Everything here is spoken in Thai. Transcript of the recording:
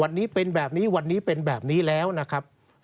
วันนี้เป็นแบบนี้วันนี้เป็นแบบนี้แล้วนะครับ